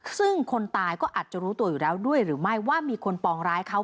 ซึ่งคนตายก็อาจจะรู้ตัวอยู่แล้วด้วยหรือไม่ว่ามีคนปองร้ายเขา